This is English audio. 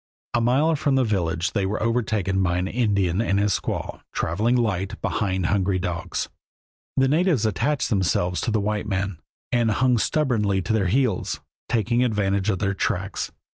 A mile from the village they were overtaken by an Indian and his squaw, traveling light behind hungry dogs. The natives attached themselves to the white men and hung stubbornly to their heels, taking advantage of their tracks.